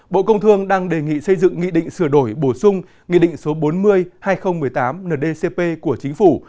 bộ công thương đang đề nghị xây dựng nghị định sửa đổi bổ sung nghị định số bốn mươi hai nghìn một mươi tám ndcp của chính phủ